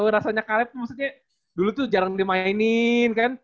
tau rasanya kaleb maksudnya dulu tuh jarang dimainin kan